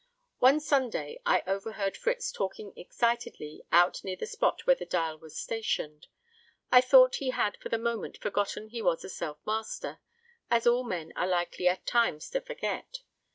One Sunday I overheard Fritz talking excitedly out near the spot where the dial was stationed. I thought he had for the moment forgotten he was a Self Master as all men are likely at times to forget.